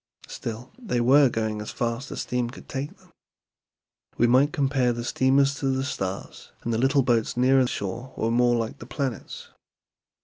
Still they were going as fast as steam could take them. We might compare the steamers to the stars, and the little boats nearer shore were more like the planets.